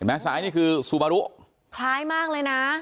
เห็นไหมสายนี่คือซูบารุคล้ายมากเลยนะ